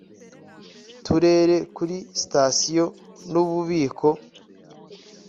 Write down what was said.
Turere kuri sitasiyo n ububiko